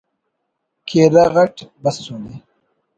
کیرغ اٹ بسنے